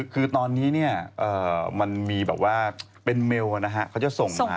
คือตอนนี้มันมีแบบว่าเป็นเมลเขาจะส่งมา